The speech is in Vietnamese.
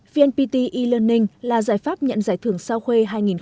vnpt e learning là giải pháp nhận giải thưởng sao khuê hai nghìn một mươi chín